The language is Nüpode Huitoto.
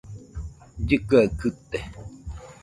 Llɨkɨaɨ kɨte.